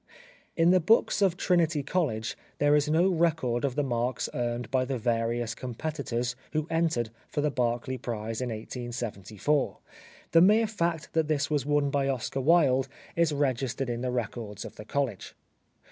In the books of Trinity College there is no record of the marks earned by the various competitors who entered for the Berkeley Prize in 1874. The mere fact that this was won by Oscar Wilde is registered in the records of the college.